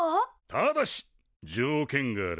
ただし条件がある。